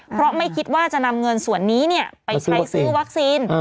เพราะไม่คิดว่าจะนำเงินส่วนนี้ไปใช้ซื้อวัคซีน